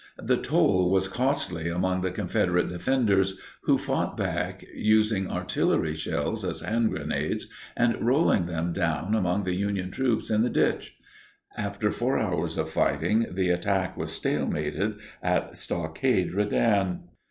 The toll was costly among the Confederate defenders, who fought back, using artillery shells as hand grenades and rolling them down among the Union troops in the ditch. After 4 hours of fighting, the attack was stalemated at Stockade Redan.